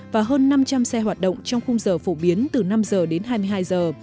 và hơn năm trăm linh xe hoạt động trong khung giờ phổ biến từ năm giờ đến hai mươi hai giờ